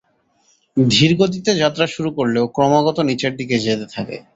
ধীরগতিতে যাত্রা শুরু করলেও ক্রমাগত নিচেরদিকে যেতে থাকে।